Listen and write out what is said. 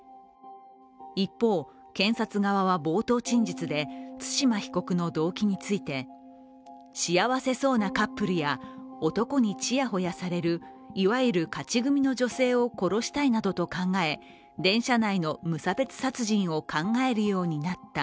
一方、検察側は冒頭陳述で対馬被告の動機について幸せそうなカップルや男にちやほやされるいわゆる勝ち組の女性を殺したいなどと考え、いってらっしゃい！